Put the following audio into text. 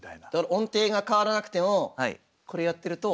音程が変わらなくてもこれやってると。